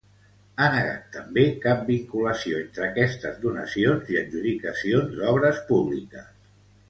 Ha negat també cap vinculació entre aquestes donacions i adjudicacions d'obres públiques.